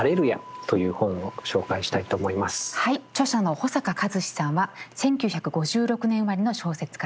著者の保坂和志さんは１９５６年生まれの小説家です。